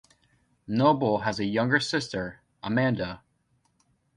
Noble has a younger sister, Amanda.